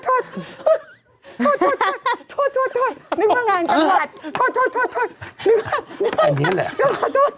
นึกว่างานจังหวัด